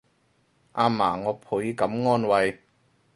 阿嫲我倍感安慰